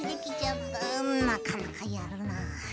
うんなかなかやるなあ。